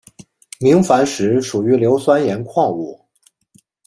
明矾石属于硫酸盐矿物。